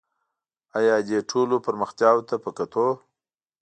آیا دې ټولو پرمختیاوو ته په کتو